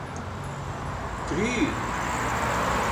Крӱ!